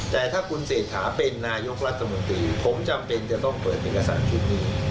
แต่ถ้าคุณเศรษฐาเป็นนายกรัฐมนตรีผมจำเป็นจะต้องเปิดเอกสารชุดนี้